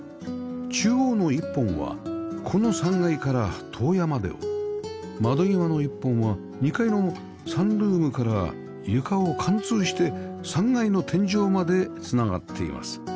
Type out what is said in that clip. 中央の１本はこの３階から塔屋までを窓際の１本は２階のサンルームから床を貫通して３階の天井まで繋がっています